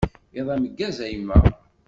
Iḍ ameggaz, a yemma.